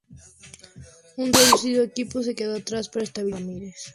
Un reducido equipo se quedó atrás para estabilizar a Ramirez.